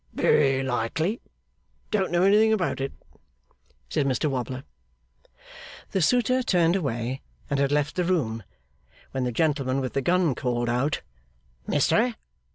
'Very likely. Don't know anything about it,' said Mr Wobbler. The suitor turned away and had left the room, when the gentleman with the gun called out 'Mister!